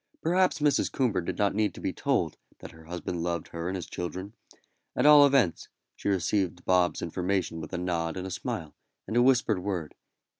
Perhaps Mrs. Coomber did not need to be told that her husband loved her and his children; at all events, she received Bob's information with a nod and a smile, and a whispered word.